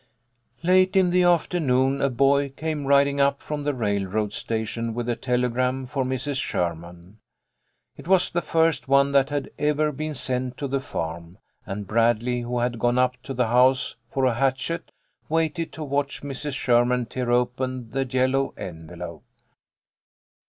Late in the afternoon a boy came riding up from the railroad station with a telegram for Mrs. Sher man. It was the first one that had ever been sent to the farm, and Bradley, who had gone up to the house for a hatchet, waited to watch Mrs. Sherman tear open the yellow envelope.